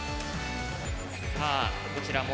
さあどちらも。